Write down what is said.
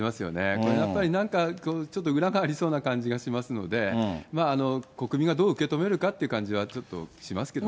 これやっぱりなんかちょっと裏がありそうな感じがしますので、国民がどう受け止めるかっていう感じはちょっと、しますけどね。